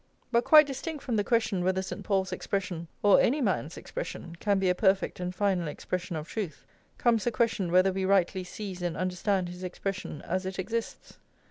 But quite distinct from the question whether St. Paul's expression, or any man's expression, can be a perfect and final expression of truth, comes the question whether we rightly seize and understand his expression as it exists.